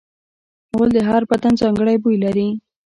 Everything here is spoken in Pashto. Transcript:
غول د هر بدن ځانګړی بوی لري.